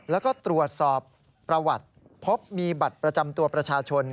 แล้วก็ตรวจสอบประวัติพบมีบัตรประจำตัวประชาชน